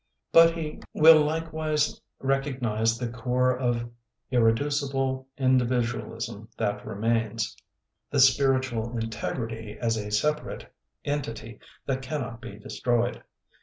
But he 46 THE BOOKMAN wiU likewise recognize the core of ir reducible individualism that remains, the spiritual integrity as a separate entity that cannot be destroyed.